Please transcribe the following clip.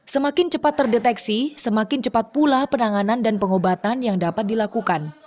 semakin cepat terdeteksi semakin cepat pula penanganan dan pengobatan yang dapat dilakukan